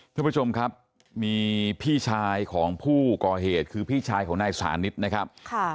ท่านผู้ชมครับมีพี่ชายของผู้ก่อเหตุคือพี่ชายของนายสานิทนะครับ